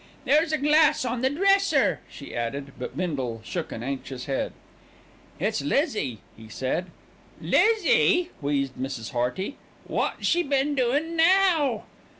"There's a glass on the dresser," she added; but Bindle shook an anxious head. "It's Lizzie," he said. "Lizzie!" wheezed Mrs. Hearty. "What she been doin' now?"